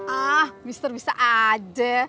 ah mister bisa aja